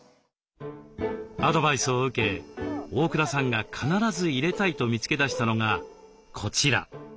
アドバイスを受け大倉さんが必ず入れたいと見つけだしたのがこちら。